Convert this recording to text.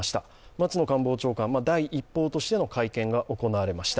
松野官房長官、第一報としての会見が行われました。